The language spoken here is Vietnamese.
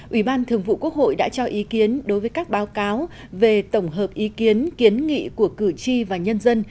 ủy ban thường vụ quốc hội đã cho ý kiến đối với các báo cáo về tổng hợp ý kiến kiến nghị của cử tri và nhân dân